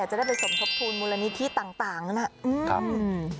จะได้ไปสมทบทุนมูลนิธิต่างนะครับ